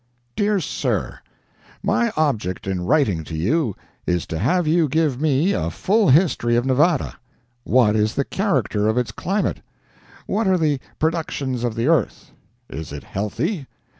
"DEAR SIR:—My object in writing to you is to have you give me a full history of Nevada: What is the character of its climate? What are the productions of the earth? Is it healthy?